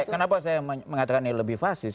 kenapa saya mengatakan ini lebih fasis